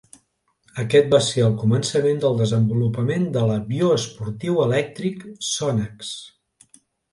Aquest va ser el començament del desenvolupament de l'avió esportiu elèctric Sonex.